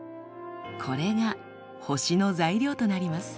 これが星の材料となります。